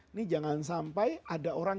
ini jangan sampai ada orang